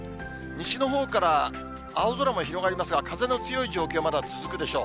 西のほうから青空も広がりますが、風の強い状況、まだ続くでしょう。